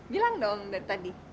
bilang dong dari tadi